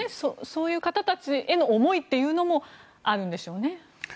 そういう方たちへの思いというのもあるんでしょうね。